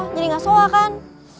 jadi gak soa kan